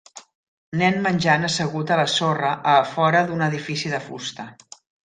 Nen menjant assegut a la sorra a fora d'un edifici de fusta.